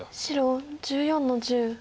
白１４の十。